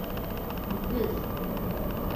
Ddez.